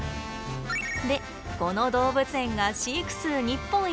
でこの動物園が飼育数日本一。